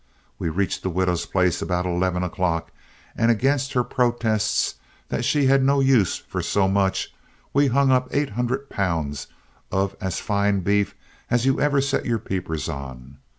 We reached the widow's place about eleven o'clock, and against her protests that she had no use for so much, we hung up eight hundred pounds of as fine beef as you ever set your peepers on.